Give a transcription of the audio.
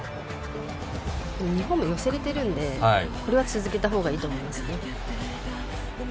日本も寄せれてるんでこれは続けたほうがいいですね。